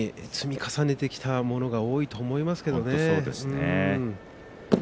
ただ、それ以上に積み重ねてきたものが多いと思いますけどね。